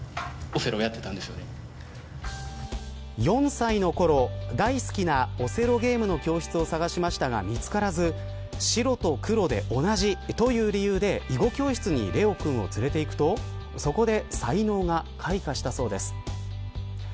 ４歳のころ大好きなオセロゲームの教室を探しましたが見つからず白と黒で同じという理由で囲碁教室に怜央くんを連れて行くとそこで才能が開花したそうです。